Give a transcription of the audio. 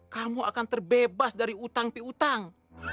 kamu akan terbebas dari utang piutang